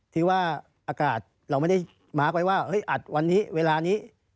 ที่ว่าอากาศเราไม่ได้มาร์คไว้ว่าเฮ้ยอัดวันนี้เวลานี้